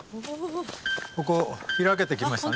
ここ開けてきましたね。